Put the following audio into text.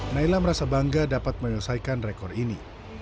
naila merasa bangga dapat menyelesaikan rekor ini